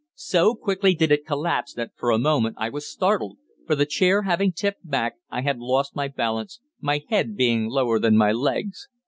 So quickly did it collapse that, for a moment, I was startled, for the chair having tipped back, I had lost my balance, my head being lower than my legs.